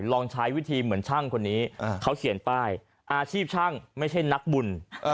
ลองใช้วิธีเหมือนช่างคนนี้เขาเขียนป้ายอาชีพช่างไม่ใช่นักบุญ